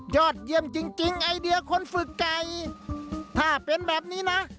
ยอดเยี่ยมจริงจริงไอเดียคนฝึกไก่ถ้าเป็นแบบนี้นะ